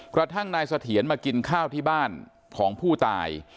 กระทั่งนายเสถียรมากินข้าวที่บ้านของผู้ตาย